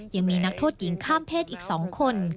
ยังมีนักโทษหญิงข้ามเพศอีก๒คน